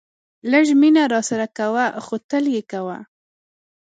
لږ مینه راسره کوه خو تل یې کوه.